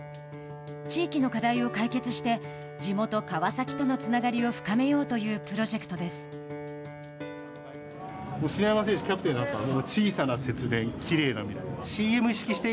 地域の課題を解決して地元川崎とのつながりを深めようというプロジェクトです。